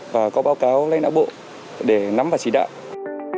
và có báo cáo lãnh đạo bộ để nắm và chỉ đạo